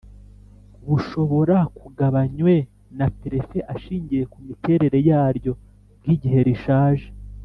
bushobora kugabanywe na prefe ashingiye kumiterere yaryo nk' igihe rishaje